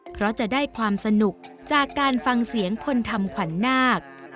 เพราะจะได้ความสนุกจากการฟังเสียงคนทำขวัญนาค